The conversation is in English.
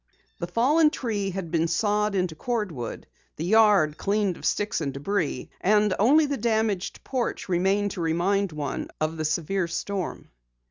The fallen tree had been sawed into cord wood, the yard cleaned of sticks and debris, and only the damaged porch remained to remind one of the severe storm.